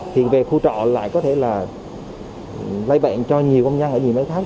thì về khu trọ lại có thể là lây bệnh cho nhiều công nhân ở nhiều nhà máy khác